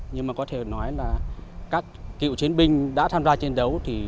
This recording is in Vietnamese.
nhưng mà có thể nói là các cựu chiến binh đã tham gia chiến đấu